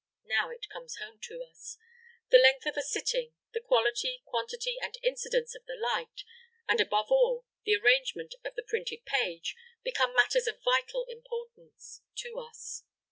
Now it comes home to us. The length of a sitting, the quality, quantity, and incidence of the light, and above all, the arrangement of the printed page, become matters of vital importance to us.